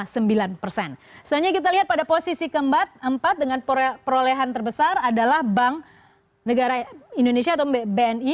selanjutnya kita lihat pada posisi keempat empat dengan perolehan terbesar adalah bank negara indonesia atau bni